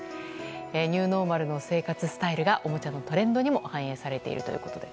ニューノーマルの生活スタイルがおもちゃのトレンドにも反映されているということです。